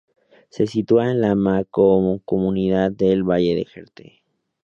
Se sitúa en la mancomunidad del valle del Jerte.